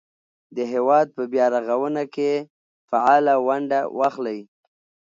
د هېواد په بیا رغونه کې فعاله ونډه واخلئ.